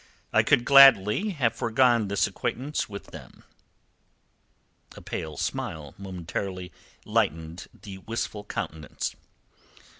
I could gladly have forgone this acquaintance with them." A pale smile momentarily lightened the wistful countenance.